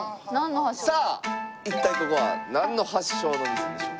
さあ一体ここはなんの発祥のお店でしょう？